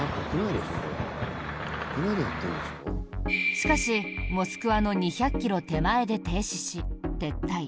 しかし、モスクワの２００ｋｍ手前で停止し、撤退。